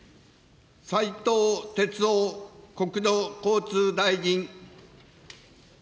斉藤鉄夫国土交通大臣。